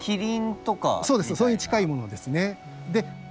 それに近いものですね。